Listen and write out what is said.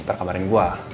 ntar kabarin gue